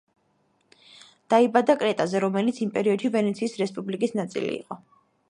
დაიბადა კრეტაზე, რომელიც იმ პერიოდში ვენეციის რესპუბლიკის ნაწილი იყო.